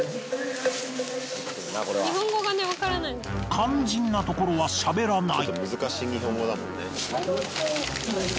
肝心なところはしゃべらない。